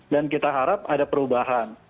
kita harap ada perubahan